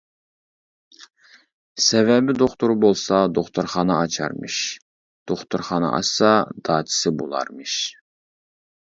سەۋەبى دوختۇر بولسا دوختۇرخانا ئاچارمىش، دوختۇرخانا ئاچسا داچىسى بولارمىش.